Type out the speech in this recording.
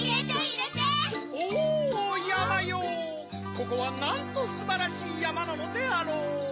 ここはなんとすばらしいやまなのであろう。